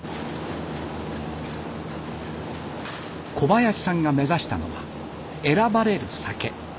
小林さんが目指したのは「選ばれる酒」。